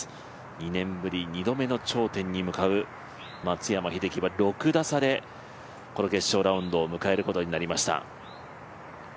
２年ぶり２度目の頂点に向かう松山英樹は６打差でこの決勝ラウンドを迎えることになりました。